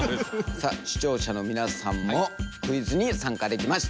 さあ視聴者の皆さんもクイズに参加できます。